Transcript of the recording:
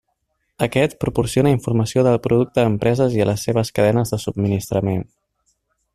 Aquest, proporciona informació del producte a empreses i a les seves cadenes de subministrament.